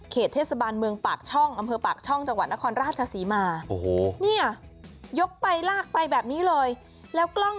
เขตเทศบาลเมืองปากช่องอำเภอปากช่องจังหวัดนครราชศรีมา